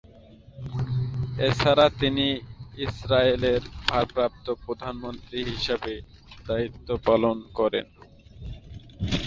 এছাড়া তিনি ইসরায়েলের ভারপ্রাপ্ত প্রধানমন্ত্রী হিসেবে দায়িত্ব পালন করেন।